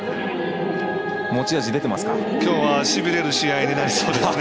きょうはしびれる試合になりそうです。